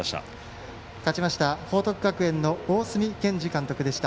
勝ちました、報徳学園の大角健二監督でした。